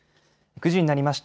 ９時になりました。